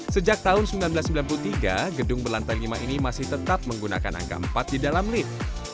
sejak tahun seribu sembilan ratus sembilan puluh tiga gedung berlantai lima ini masih tetap menggunakan angka empat di dalam lift